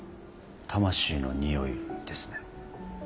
魂の匂いですね。